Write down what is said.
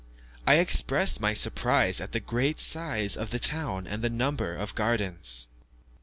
I expressed my surprise at the great size of the town and the number of the gardens.